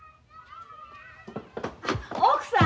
奥さん。